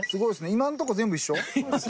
今のとこ全部一緒？